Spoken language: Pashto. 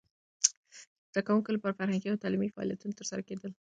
د زده کوونکو لپاره فرهنګي او تعلیمي فعالیتونه ترسره کېدل.